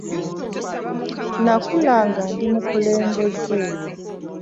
Nakula nga ndi mukulembeze.